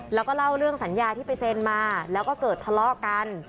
แล้วก็เล่าเรื่องสัญญาที่ไปเซ็นมาแล้วก็เกิดทะเลาะกัน